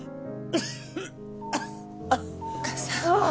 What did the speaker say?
お義母さん。